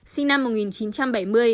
sinh năm một nghìn chín trăm bảy mươi